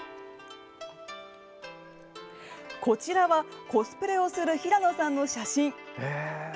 こちらは、コスプレをする平野さんの写真。